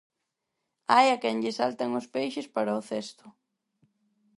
Hai a quen lle saltan os peixes para o cesto.